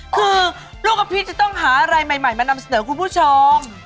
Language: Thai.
คือลูกอภิตจะต้องหารายใหม่มานำเสนอมุชอยางคุณผู้ชอง